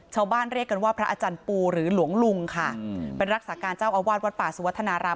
เรียกกันว่าพระอาจารย์ปูหรือหลวงลุงค่ะเป็นรักษาการเจ้าอาวาสวัดป่าสุวัฒนาราม